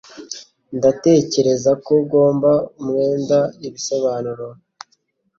Ndatekereza ko ugomba umwenda ibisobanuro.